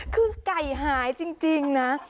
คือไก่หายจริงนะ